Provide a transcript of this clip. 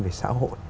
về xã hội